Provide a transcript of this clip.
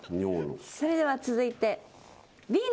それでは続いてＢの方。